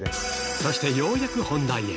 そしてようやく本題へ。